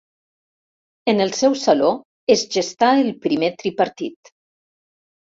En el seu saló es gestà el primer Tripartit.